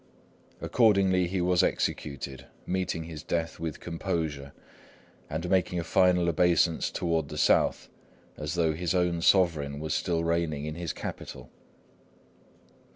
Accordingly he was executed, meeting his death with composure, and making a final obeisance toward the south, as though his own sovereign was still reigning in his capital.